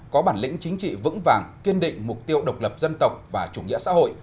có bản lĩnh chính trị vững vàng kiên định mục tiêu độc lập dân tộc và chủ nghĩa xã hội